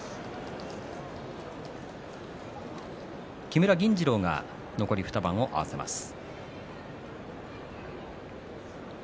木村銀治郎が残り２番を合わせます。